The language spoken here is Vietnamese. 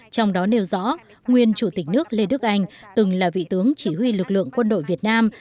trong đó nêu rõ nguyên chủ tịch nước lê đức anh từng là vị tướng chỉ huy lực lượng quân đội việt nam